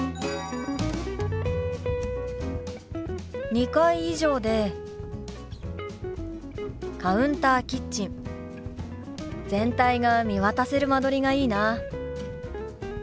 ２階以上でカウンターキッチン全体が見渡せる間取りがいいな。